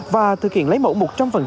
và thực hiện lấy mẫu một trăm linh